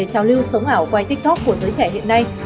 chào lưu sống ảo quay tiktok của giới trẻ hiện nay